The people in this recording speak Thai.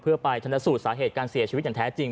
เพื่อไปชนสูตรสาเหตุการเสียชีวิตอย่างแท้จริง